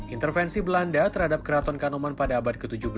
intervensi belanda terhadap keraton kanoman pada abad ke tujuh belas